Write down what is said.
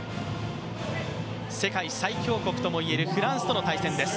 世界最強国ともいえるフランスとの対戦です。